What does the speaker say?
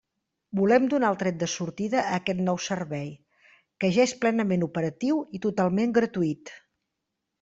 Volem donar el tret de sortida a aquest nou servei, que ja és plenament operatiu i totalment gratuït.